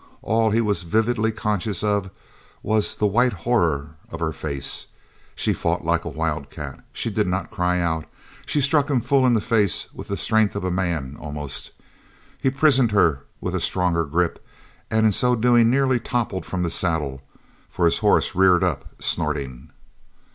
All he was vividly conscious of was the white horror of her face. She fought like a wildcat. She did not cry out. She struck him full in the face with the strength of a man, almost. He prisoned her with a stronger grip, and in so doing nearly toppled from the saddle, for his horse reared up, snorting.